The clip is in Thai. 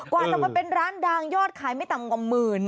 กว่าจะมาเป็นร้านดังยอดขายไม่ต่ำกว่าหมื่น